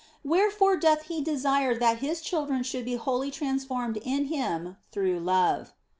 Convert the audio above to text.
Wherefore doth He desire that His children should be wholly trans formed in Him through love.